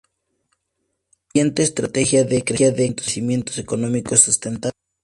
Contribuyente, Estrategia de Crecimiento Económico Sustentable.